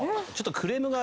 ちょっと。